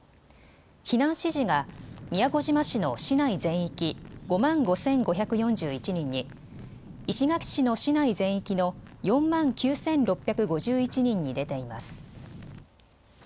避難指示が宮古島市の市内全域５万５５４１人に、石垣市の市内全域の４万９６５１人に出ています。